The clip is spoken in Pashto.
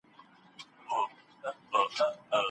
باور په ځان د باور له لاري پیدا کېږي.